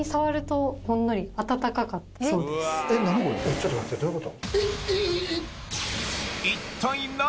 ちょっと待ってどういうこと？